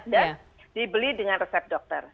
dan dibeli dengan resep dokter